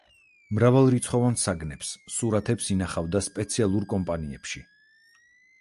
მრავალრიცხოვან საგნებს, სურათებს, ინახავდა სპეციალურ კომპანიებში.